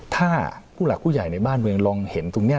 ถ้าผู้หลักผู้ใหญ่ในบ้านเมืองลองเห็นตรงนี้